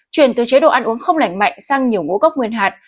chuyển từ chế độ ăn uống không lạnh mạnh sang nhiều ngũ gốc nguyên hạt